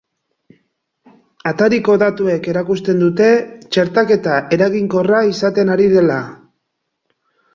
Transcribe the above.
Atariko datuek erakusten dute txertaketa eraginkorra izaten ari dela.